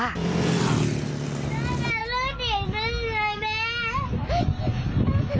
เรื่องที่เอิ้นอะไร